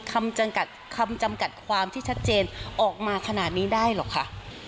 คำจำกัดความที่ชัดเจนออกมาขนาดนี้ได้เหรอคะ